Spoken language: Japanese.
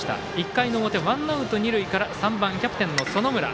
１回の表ワンアウト二塁からキャプテン園村。